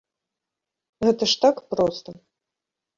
Гэта ж так проста.